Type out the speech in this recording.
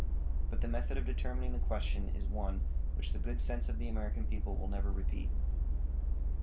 But the method of determining the question is one which the good sense of the American people will never repeat.